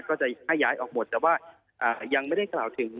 ก็จะให้ย้ายออกหมดแต่ว่ายังไม่ได้กล่าวถึง